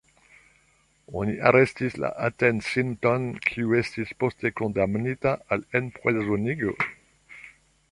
Oni arestis la atencinton, kiu estis poste kondamnita al enprizonigo.